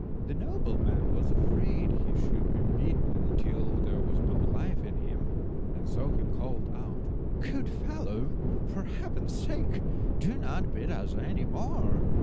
The nobleman was afraid he should be beaten till there was no life in him, and so he called out— "Good fellow, for Heaven's sake, do not beat us any more!"